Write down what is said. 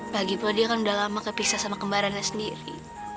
lagipah dia kan udah lama kepisah sama kembarannya sendiri